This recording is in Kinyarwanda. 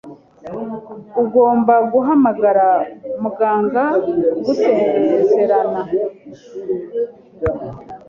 Ugomba guhamagara muganga ugasezerana.